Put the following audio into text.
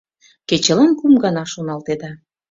Кечылан кум гана шоналтеда.